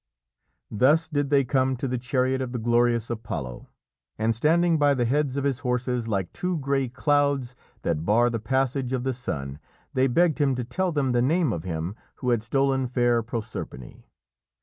Thus did they come to the chariot of the glorious Apollo, and standing by the heads of his horses like two grey clouds that bar the passage of the sun, they begged him to tell them the name of him who had stolen fair Proserpine.